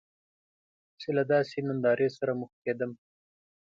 چې له داسې نندارې سره مخ کیدم.